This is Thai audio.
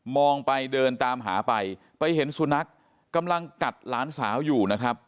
องไปเดินตามหาไปไปเห็นสุนัขกำลังกัดหลานสาวอยู่นะครับ